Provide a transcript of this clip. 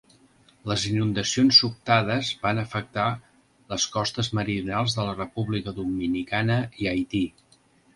Les inundacions sobtades van afectar les costes meridionals de la República Dominicana i Haití.